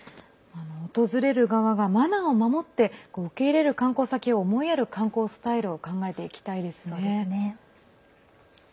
訪れる側がマナーを守って受け入れる観光先を思いやる観光スタイルを考えていきたいですね。